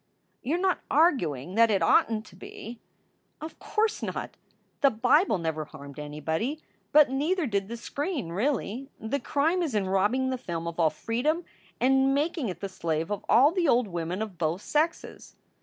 "You re not arguing that it oughtn t to be?" "Of course not! The Bible never harmed anybody. But neither did the screen, really. The crime is in robbing the film of all freedom and making it the slave of all the old women of both sexes."